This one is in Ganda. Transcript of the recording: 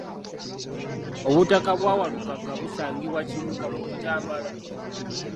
Obutaka bwa Walukagga busangibwa Kibugga mu Butambala.